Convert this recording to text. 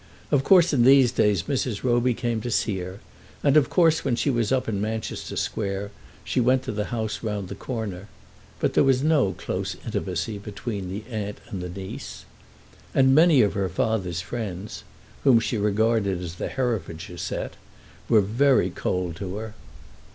Of course in these days Mrs. Roby came to see her, and of course when she was up in Manchester Square, she went to the house round the corner, but there was no close intimacy between the aunt and the niece. And many of her father's friends, whom she regarded as the Herefordshire set, were very cold to her.